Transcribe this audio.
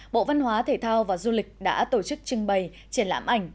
bộ văn hóa thể thao và du lịch đã tổ chức trưng bày triển lãm ảnh